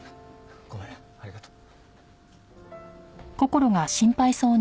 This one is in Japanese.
ごめんありがとう。